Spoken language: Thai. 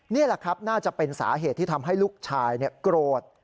นี่แหละครับน่าจะเป็นสาเหตุที่ทำให้ลูกชายโกรธ